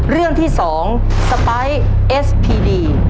เรื่องที่๒สไปร์เอสพีดี